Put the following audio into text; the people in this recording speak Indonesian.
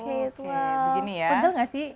betul gak sih